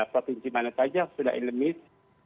provinsi mana saja sudah endemis